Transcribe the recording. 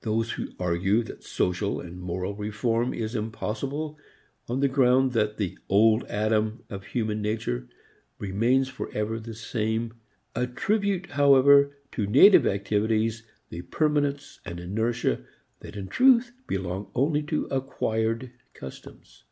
Those who argue that social and moral reform is impossible on the ground that the Old Adam of human nature remains forever the same, attribute however to native activities the permanence and inertia that in truth belong only to acquired customs.